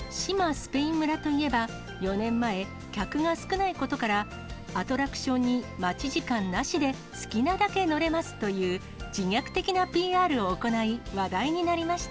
スペイン村といえば、４年前、客が少ないことから、アトラクションに待ち時間なしで好きなだけ乗れますという、自虐的なＰＲを行い、話題になりました。